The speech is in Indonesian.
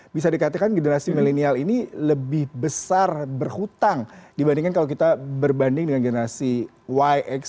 bisa dikatakan generasi milenial ini lebih besar berhutang dibandingkan kalau kita berbanding dengan generasi yx